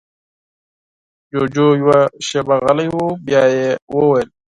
جُوجُو يوه شېبه غلی و، بيا يې وويل: